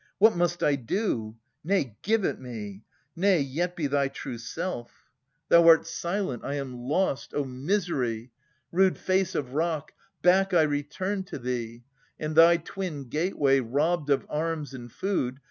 What must I do? Nay, give it me. Nay, yet be thy true self! 951 978] Philodetes 301 Thou art silent. I am lost. O misery ! Rude face of rock, back I return to thee And thy twin gateway, robbed of arms and food.